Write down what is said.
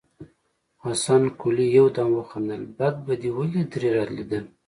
حسن قلي يودم وخندل: بد به دې ولې ترې ليدل.